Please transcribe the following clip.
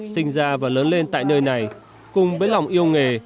sinh ra và lớn lên tại nơi này cùng với lòng yêu nghề